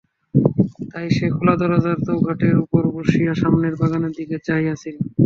তাই সে খোলা দরজার চৌকাঠের উপর বসিয়া সামনের বাগানের দিকে চাহিয়া ছিল।